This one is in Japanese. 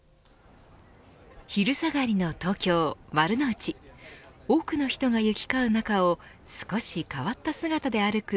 昼下がりの東京、丸の内多くの人が行き交う中を少し変わった姿で歩く